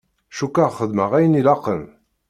Cukkeɣ xedmeɣ ayen ilaqen.